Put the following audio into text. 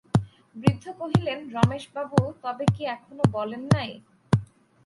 বৃদ্ধ কহিলেন, রমেশবাবু তবে কি এখনো বলেন নাই?